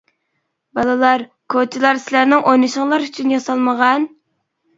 بالىلار، كوچىلار سىلەرنىڭ ئوينىشىڭلار ئۈچۈن ياسالمىغان!